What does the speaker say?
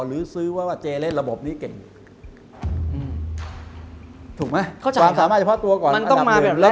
หรือซื้อว่าเจเล่นระบบนี้เก่ง